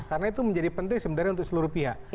karena itu menjadi penting sebenarnya untuk seluruh pihak